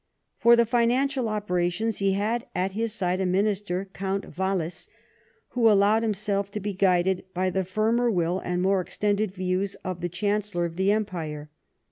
For the financial operations he had at his side a minister, Count Wallis, who allowed himself to be guided by the firmer will and more extended views of the Chancellor of the Empire.